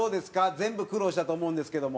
全部苦労したと思うんですけども。